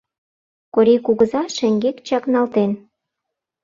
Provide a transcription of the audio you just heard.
Корий кугыза шеҥгек чакналтен.